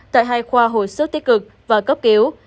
tại hai khoa hồi sức tích cực và cấp cứu